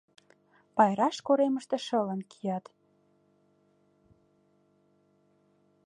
Пайраш коремыште шылын кият...